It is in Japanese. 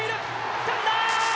つかんだー！